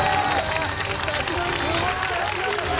久しぶり。